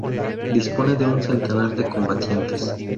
Dispone de un centenar de combatientes.